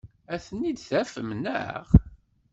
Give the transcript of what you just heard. Ad ten-id-tafem, naɣ?